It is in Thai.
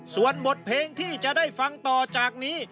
ส่วนบทเพลงที่จะได้ฟังต่อจากนี้